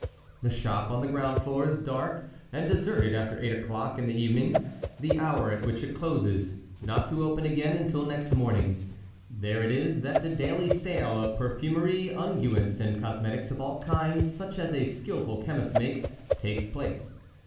The shop on the ground floor is dark and deserted after eight o'clock in the evening—the hour at which it closes, not to open again until next morning; there it is that the daily sale of perfumery, unguents, and cosmetics of all kinds, such as a skilful chemist makes, takes place.